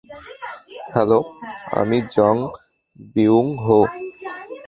Hello, আমি Jung বিউং-হো।